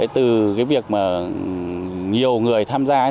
từ việc nhiều người tham gia